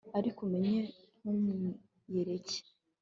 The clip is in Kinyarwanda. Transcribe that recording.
ariko umenye ntumwiyereke